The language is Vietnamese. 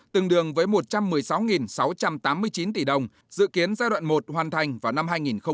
tương đương với một trăm một mươi sáu sáu trăm tám mươi chín tỷ đồng dự kiến giai đoạn một hoàn thành vào năm hai nghìn hai mươi năm